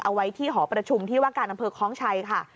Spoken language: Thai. เอาไว้ที่หอประชุมที่ว่าการอำเภอคล้องชัยค่ะ